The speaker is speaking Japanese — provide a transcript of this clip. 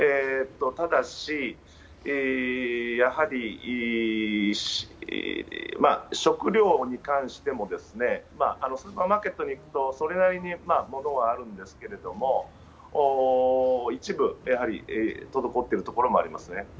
ただし、やはり食料に関しても、今、スーパーマーケットに行くとそれなりに物はあるんですけれども、一部やはり滞ってるところもありますね。